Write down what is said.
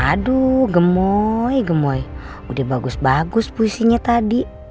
aduh gemoy gemoy udah bagus bagus puisinya tadi